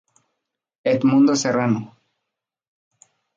Edmundo Serrano.